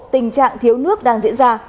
tình trạng thiếu nước đang diễn ra